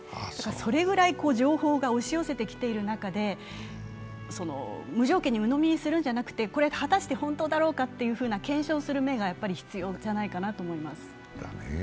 それぐらい情報が押し寄せてきている中で、無条件にうのみにするんじゃなくて、これは果たして本当だろうかという検証する目が必要なんじゃないかなと思います。